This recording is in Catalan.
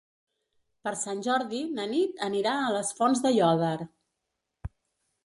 Per Sant Jordi na Nit anirà a les Fonts d'Aiòder.